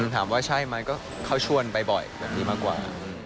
ถามว่าใช่ไหมก็เขาชวนไปบ่อยแบบนี้มากกว่า